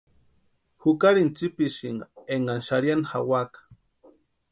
Jukarini tsipisïnka énka xarhiani jawaka.